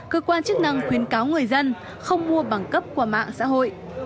cơ quan chức năng khuyến cáo người dân không mua bằng cấp qua mạng xã hội